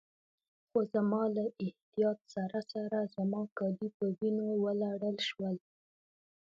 خو زما له احتیاط سره سره زما کالي په وینو ولړل شول.